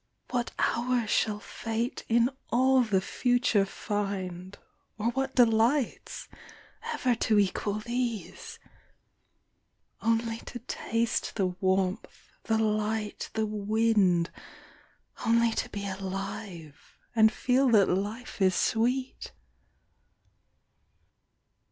What hour shall Fate in all the future find, Or what delights, ever to equal these: Only to taste the warmth, the light, the wind, Only to be alive, and feel that life is sweet?